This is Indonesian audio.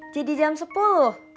jadi jam sepuluh